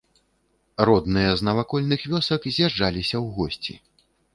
Родныя з навакольных вёсак з'язджаліся ў госці.